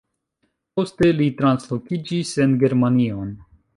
Poste li translokiĝis en Germanion.